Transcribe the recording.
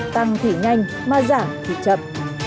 tăng thì nhanh mà giảm thì chậm